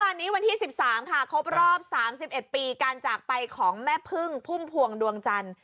วันนี้วันที่สิบสามค่ะครบรอบสามสิบเอ็ดปีกันจากไปของแม่พึ่งพุ่มพวงดวงจันทร์